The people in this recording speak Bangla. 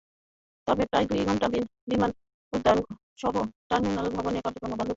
তবে প্রায় দুই ঘণ্টা বিমান উড্ডয়নসহ টার্মিনাল ভবনে কার্যক্রম বন্ধ ছিল।